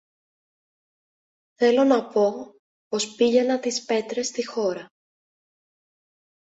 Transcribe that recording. Θέλω να πω, πως πήγαινα τις πέτρες στη χώρα